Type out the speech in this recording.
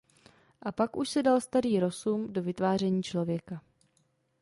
A pak už se dal starý Rossum do vytváření člověka.